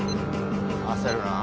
焦るな。